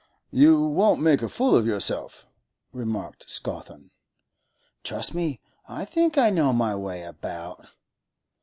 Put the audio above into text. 'You won't make a fool of yourself?' remarked Scawthorne. 'Trust me; I think I know my way about.